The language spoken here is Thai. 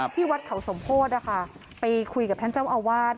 ที่วัดเขาสมโพธินะคะไปคุยกับท่านเจ้าอาวาส